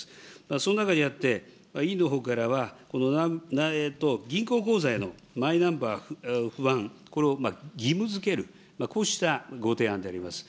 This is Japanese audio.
その中にあって、委員のほうからはこの銀行口座へのマイナンバーのふあん、これを義務づける、こうしたご提案であります。